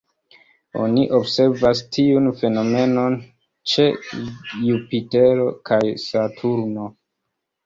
Oni observas tiun fenomenon ĉe Jupitero kaj Saturno.